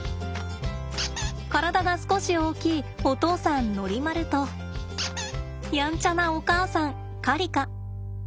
体が少し大きいお父さんノリマルとやんちゃなお母さんカリカ。